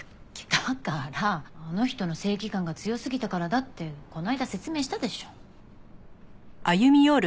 だからあの人の正義感が強すぎたからだってこの間説明したでしょ。